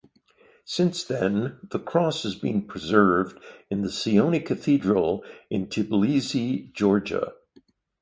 Since then, the cross has been preserved in the Sioni Cathedral in Tbilisi, Georgia.